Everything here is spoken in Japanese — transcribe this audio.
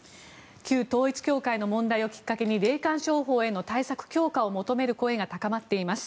旧統一教会の問題をきっかけに霊感商法への対策強化を求める声が高まっています。